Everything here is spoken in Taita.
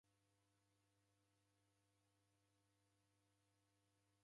Daneli ofuma W'ulaya